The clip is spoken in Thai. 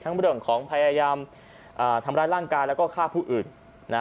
เรื่องของพยายามทำร้ายร่างกายแล้วก็ฆ่าผู้อื่น